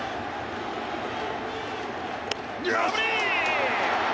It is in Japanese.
空振り！